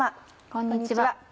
こんにちは。